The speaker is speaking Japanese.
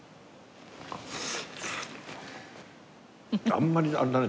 あんまりあれだね